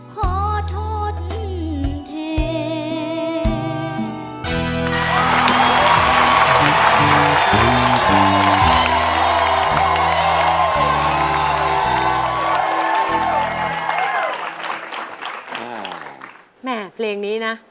ขอทนแทน